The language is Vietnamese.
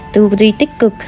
tư duy tích cực